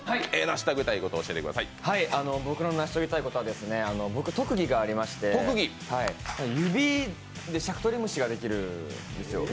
僕の成し遂げたいことは僕、特技がありまして、指でしゃくとり虫ができるんですよ。